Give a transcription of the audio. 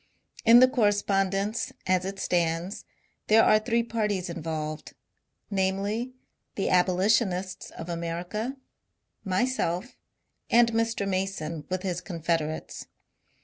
In the correspondence, as it stands, there are three parties involved — namely, the abolitionists of America, myself, and Mr. Mason with his confederates.